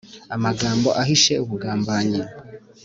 amagambo ahishe ubugambanyi